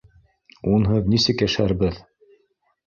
Унһыҙ нисек йәшәрбеҙ?!